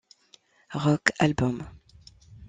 Rock Albums.